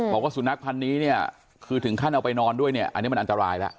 บอกว่าสุนัขพันธ์นี้เนี่ยคือถึงขั้นเอาไปนอนด้วยเนี่ยอันนี้มันอันตรายแล้ว